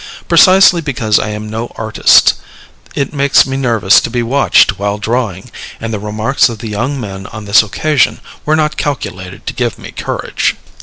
Precisely because I am no artist, it makes me nervous to be watched while drawing; and the remarks of the young men on this occasion were not calculated to give me courage.